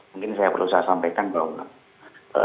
mungkin saya perlu saya sampaikan bahwa